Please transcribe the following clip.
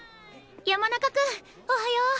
山中君おはよう！